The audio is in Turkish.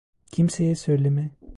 Kimseye söyleme.